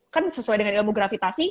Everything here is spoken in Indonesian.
kan sesuai dengan ilmu gravitasi